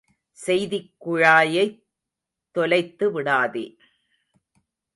செய்திக் குழாயைத் தொலைத்துவிடாதே.